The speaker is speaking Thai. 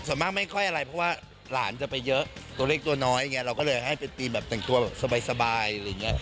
ส่วนมากไม่ค่อยอะไรเพราะว่าหลานจะไปเยอะตัวเล็กตัวน้อยไงเราก็เลยให้เป็นทีมแบบแต่งตัวแบบสบายอะไรอย่างเงี้ย